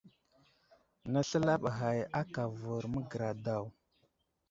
Nəsləlaɓ ghay aka avər magəra daw.